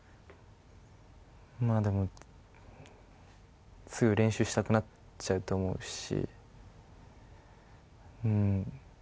まあでも、すぐ練習したくなっちゃうと思うし。